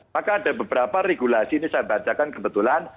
maka ada beberapa regulasi ini saya bacakan kebetulan